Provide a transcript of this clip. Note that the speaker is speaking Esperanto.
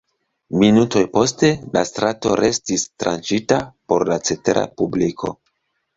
Minutoj poste la strato restis tranĉita por la cetera publiko.